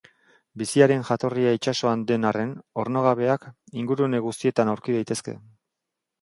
Biziaren jatorria itsasoan den arren, ornogabeak ingurune guztietan aurki daitezke.